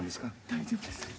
大丈夫です。